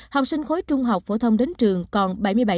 học sinh khối trung học phổ thông đến trường còn bảy mươi bảy